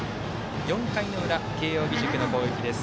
４回の裏、慶応義塾の攻撃です。